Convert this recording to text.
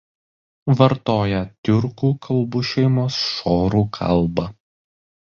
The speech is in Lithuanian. Vartoja tiurkų kalbų šeimos šorų kalbą.